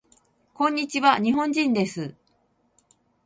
こんにちわ。日本人です。